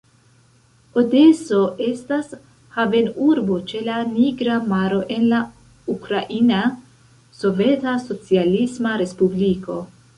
Odeso estas havenurbo ĉe la Nigra Maro en la Ukraina Soveta Socialisma Respubliko.